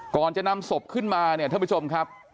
ก่อนจะนำศพขึ้นมาเนี่ยท่านผู้ชมครับ